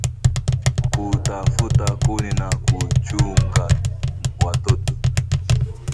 kutafuta kuni na kuchunga watoto